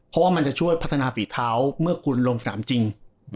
เพราะว่ามันจะช่วยพัฒนาฝีเท้าเมื่อคุณลงสนามจริง